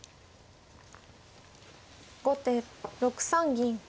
後手６三銀。